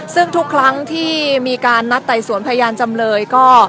ซึ่งทุกครั้งที่มีการนัดไต่สวนพยานจำเลยก็